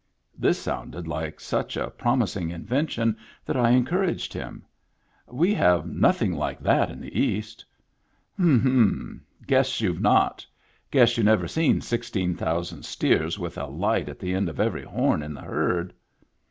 This sounded like such a promising invention that J encouraged him. "We have nothing like that in the East." " H'm. Guess you've not. Guess you never seen sixteen thousand steers with a light at the end of every horn in the herd."